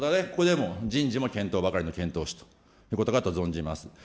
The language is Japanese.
ここでも人事も検討ばかりの検討使ということだと存じます。